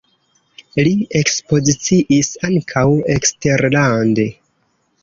Li ekspoziciis ankaŭ eksterlande.